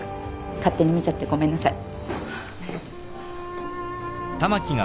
勝手に見ちゃってごめんなさい。